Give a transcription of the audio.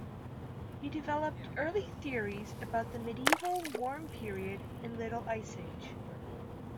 He developed early theories about the Medieval Warm Period and Little Ice Age.